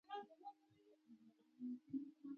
کاکړي د خپلو کورنیو اړیکو ته ارزښت ورکوي.